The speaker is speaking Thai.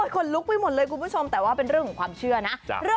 คนลุกไปหมดเลยคุณผู้ชมแต่ว่าเป็นเรื่องของความเชื่อนะ